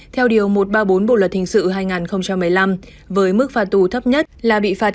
theo điều một trăm ba mươi bốn bộ luật hình sự hai nghìn một mươi năm với mức phạt tù thấp nhất là bị phạt